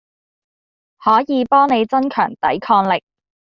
可以幫你增強抵抗力